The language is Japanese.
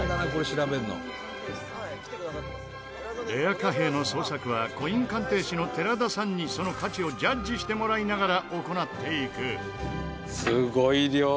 レア貨幣の捜索はコイン鑑定士の寺田さんにその価値をジャッジしてもらいながら行っていく。